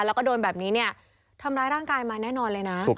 แล้วก็โดนแบบนี้เนี่ยทำร้ายร่างกายมาแน่นอนเลยนะ